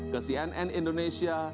ke cnn indonesia